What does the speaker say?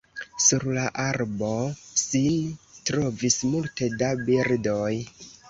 Sur la arbo sin trovis multe da birdoj.